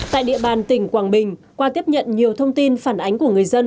tại địa bàn tỉnh quảng bình qua tiếp nhận nhiều thông tin phản ánh của người dân